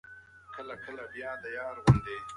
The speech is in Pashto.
چرګه په شنه چمن کې خواړه لټوي.